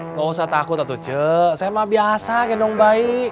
nggak usah takut atau cek saya mah biasa gendong bayi